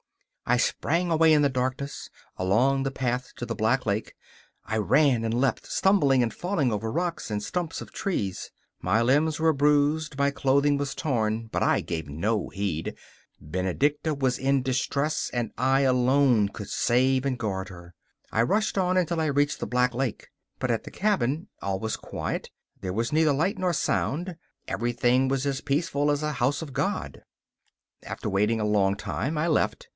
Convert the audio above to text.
I sprang away in the darkness, along the path to the Black Lake. I ran and leapt, stumbling and falling over rocks and stumps of trees. My limbs were bruised, my clothing was torn, but I gave no heed; Benedicta was in distress, and I alone could save and guard her. I rushed on until I reached the Black Lake. But at the cabin all was quiet; there was neither light nor sound; everything was as peaceful as a house of God. After waiting a long time I left.